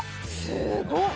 すごい。